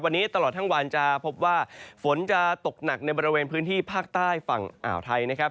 วันนี้ตลอดทั้งวันจะพบว่าฝนจะตกหนักในบริเวณพื้นที่ภาคใต้ฝั่งอ่าวไทยนะครับ